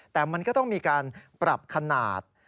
แต่มันก็ต้องมีการปรับขนาด